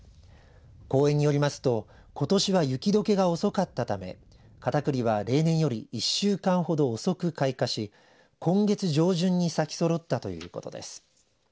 公園によりますとことしは雪どけが遅かったためカタクリは例年より１週間ほど遅く開花し今月上旬に咲きそろったということです。